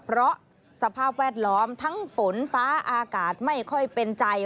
เพราะสภาพแวดล้อมทั้งฝนฟ้าอากาศไม่ค่อยเป็นใจ